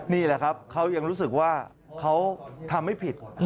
นี่แหละครับเขายังรู้สึกว่าเขาทำไม่ผิด